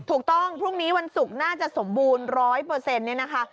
ถูกต้องพรุ่งนี้วันศุกร์น่าจะสมบูรณ์ร้อยเปอร์เซ็นต์เนี่ยนะคะ